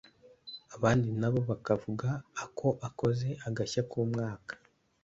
Abandi nabo bakavuga ako akoze agashya k'umwaka